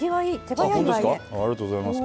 ありがとうございます。